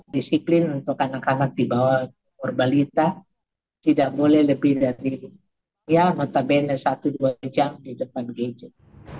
disiplin untuk anak anak di bawah umur balita tidak boleh lebih dari notabene satu dua jam di depan gadget